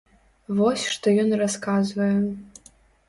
Вось што ён расказвае.